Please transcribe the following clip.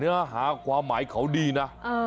เนื้อหาความหมายเขาดีนะ